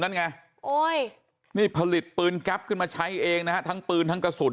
นั่นไงโอ้ยนี่ผลิตปืนแก๊ปขึ้นมาใช้เองนะฮะทั้งปืนทั้งกระสุน